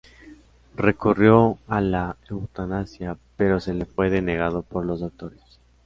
Recurrió a la eutanasia, pero se le fue denegado por los doctores.